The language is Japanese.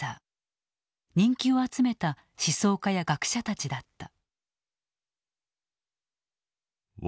人気を集めた思想家や学者たちだった。